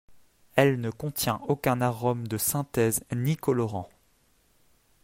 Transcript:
Elle ne contient aucun arôme de synthèse, ni colorants.